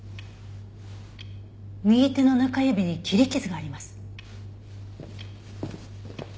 右手の中指に切り傷があります。